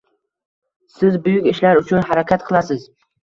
Siz buyuk ishlar uchun harakat qilasiz.